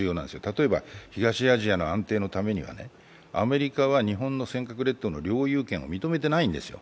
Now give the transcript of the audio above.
例えば東アジアの安定のためには、アメリカは日本の尖閣列島の領有権を認めていないんですよ。